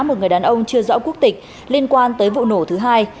một người đàn ông chưa rõ quốc tịch liên quan tới vụ nổ thứ hai